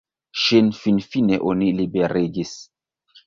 Ŝin finfine oni liberigis.